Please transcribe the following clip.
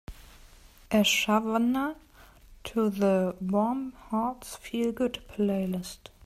A Shawnna to the Warm Hearts Feel Good playlist.